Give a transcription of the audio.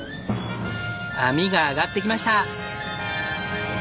網が上がってきました。